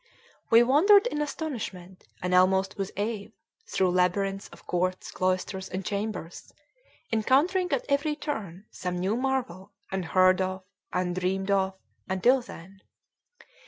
We wandered in astonishment, and almost with awe, through labyrinths of courts, cloisters, and chambers, encountering at every turn some new marvel, unheard of, undreamed of, until then.